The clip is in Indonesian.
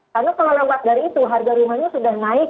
karena kalau lewat dari itu harga rumahnya sudah naik